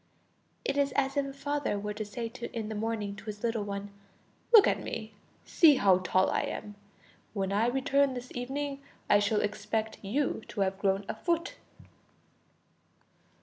It is as if a father were to say in the morning to his little one: "Look at me, see how tall I am; when I return this evening, I shall expect you to have grown a foot."